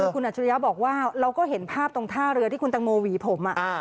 คุณอัจฉริยะบอกว่าเราก็เห็นภาพตรงท่าเรือที่คุณตังโมหวีผม